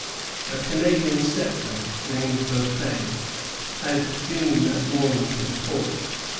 A Canadian settler, named Beaufait, had been that morning to the fort.